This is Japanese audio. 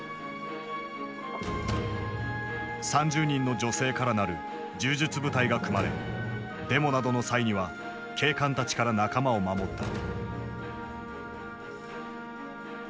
３０人の女性から成る柔術部隊が組まれデモなどの際には警官たちから仲間を守った。